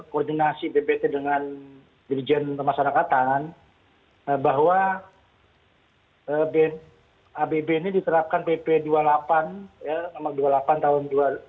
koordinasi bpt dengan dirijen masyarakatan bahwa abb ini diterapkan pp dua puluh delapan tahun dua ribu enam